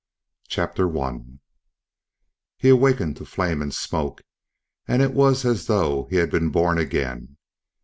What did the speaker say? CHAPTER ONE He awakened to flame and smoke and it was as though he had been born again.